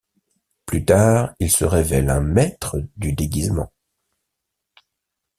Plus tard il se révèle un maître du déguisement.